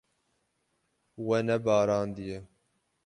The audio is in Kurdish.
We nebarandiye.